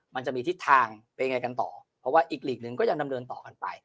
มันจะมีทิศทางเป็นยังไงกันต่อเพราะว่าอีกหลีกหนึ่งก็ยังดำเนินต่อกันไป